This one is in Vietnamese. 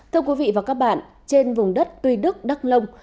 thưa quý vị và các bạn trên vùng đất tuy đức đắk lông